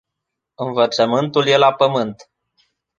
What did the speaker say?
Învățământul e la pământ.